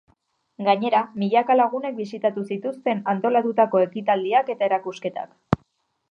Gainera, milaka lagunek bisitatu zituzten antolatutako ekitaldiak eta erakusketak.